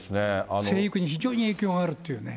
生育に非常に影響があるっていうね。